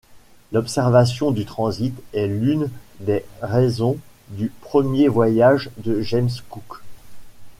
L'observation du transit est l'une des raisons du premier voyage de James Cook.